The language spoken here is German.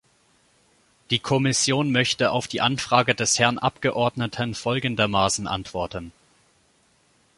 Die Kommission möchte auf die Anfrage des Herrn Abgeordneten folgendermaßen antworten.